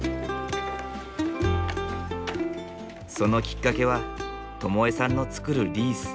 そのきっかけは智江さんの作るリース。